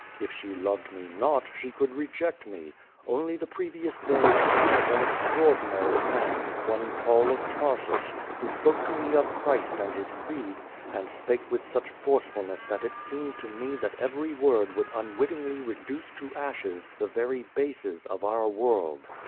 If she loved me not, she could reject me. Only the previous day I had met an extraordinary man, one Paul of Tarsus, who s]>oke to me of Christ and his creed, and spake with such forcefulness that it seemed to mc that every word would unwittingly reduce to ashes the very bases of our world.